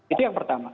itu yang pertama